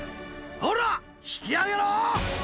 おらー、引き上げろ！